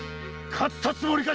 勝ったつもりか？